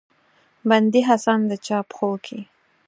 بندي حسن د چا پښو کې